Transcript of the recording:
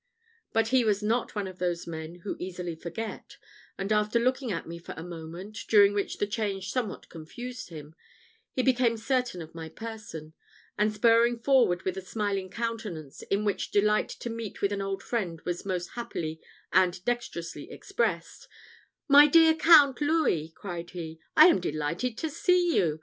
But he was not one of those men who easily forget; and, after looking at me for a moment, during which the change somewhat confused him, he became certain of my person; and spurring forward with a smiling countenance, in which delight to meet with an old friend was most happily and dexterously expressed, "My dear Count Louis!" cried he, "I am delighted to see you.